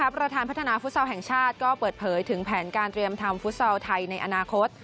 ประธานพัฒนาฟุตซอลแห่งชาติก็เปิดเผยถึงแผนการเตรียมทำฟุตซอลไทยในอนาคต